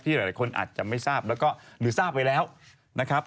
ที่หลายคนอาจจะไม่ทราบหรือทราบไปแล้วนะครับ